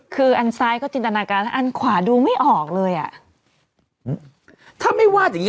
คืออันซ้ายก็จินตนาการอันขวาดูไม่ออกเลยอ่ะถ้าไม่วาดอย่างงี